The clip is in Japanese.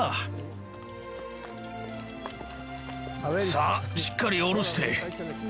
さあしっかり下ろして。